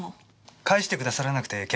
返してくださらなくて結構です。